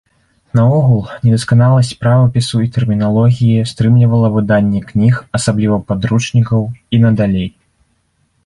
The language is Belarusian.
Наогул, недасканаласць правапісу і тэрміналогіі стрымлівала выданне кніг, асабліва падручнікаў, і надалей.